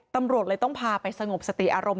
ตำรวจเลยต้องพาไปสงบสติอารมณ์